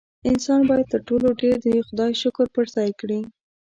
انسان باید تر ټولو ډېر د خدای شکر په ځای کړي.